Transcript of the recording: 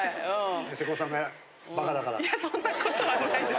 いやそんな事はないです。